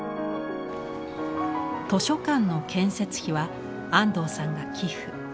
図書館の建設費は安藤さんが寄付。